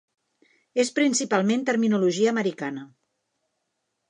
És principalment terminologia americana.